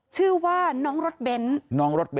ชื่อว่าน้องรถเบ้น